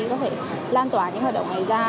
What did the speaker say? có thể lan tỏa những hoạt động này ra